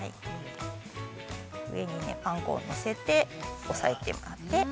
上にパン粉をのせて押さえてもらって。